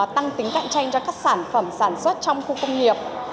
tăng tính cạnh tranh cho các sản phẩm sản xuất trong khu công nghiệp